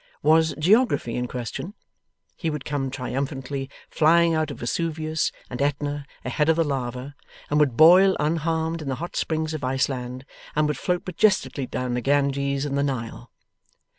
Was Geography in question? He would come triumphantly flying out of Vesuvius and Aetna ahead of the lava, and would boil unharmed in the hot springs of Iceland, and would float majestically down the Ganges and the Nile.